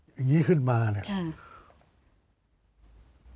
อย่างนี้ขึ้นมาเนี่ย